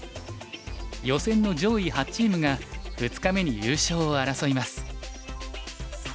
予選の上位８チームが２日目に優勝を争います。